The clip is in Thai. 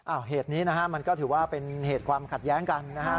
เหตุนี้นะฮะมันก็ถือว่าเป็นเหตุความขัดแย้งกันนะฮะ